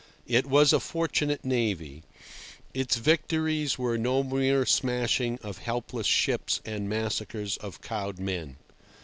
It was a fortunate navy. Its victories were no mere smashing of helpless ships and massacres of cowed men.